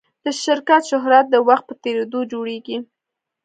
د شرکت شهرت د وخت په تېرېدو جوړېږي.